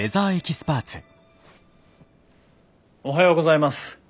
おはようございます。